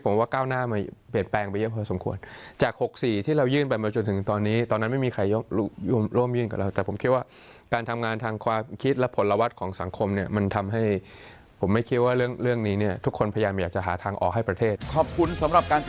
ผมว่าเก้าหน้าเปลี่ยนแปลงไปเยอะพอสมควร